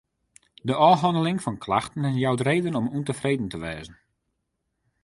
De ôfhanneling fan klachten jout reden om ûntefreden te wêzen.